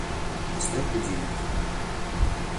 Поставь будильник